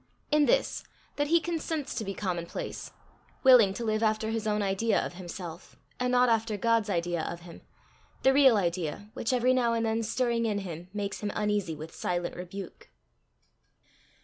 In this, that he consents to be commonplace, willing to live after his own idea of himself, and not after God's idea of him the real idea, which, every now and then stirring in him, makes him uneasy with silent rebuke.